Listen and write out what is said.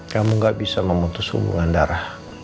kamu gak bisa memutus hubungan darah